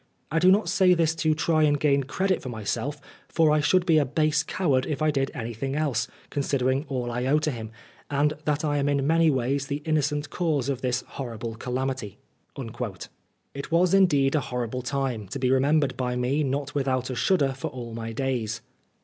I do not say this to try and gain credit for myself, for I should be a base coward if I did anything else, con sidering all I owe to him, and that I am in many ways the innocent cause of this horrible calamity." It was indeed a horrible time, to be remembered by me not without a shudder for all my days.